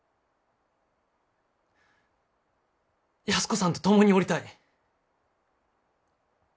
安子さんと共におりたい。